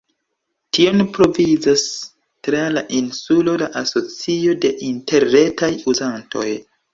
Tion provizas tra la insulo la Asocio de Interretaj Uzantoj.